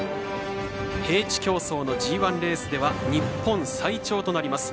平地競走のＧＩレースでは日本最長となります。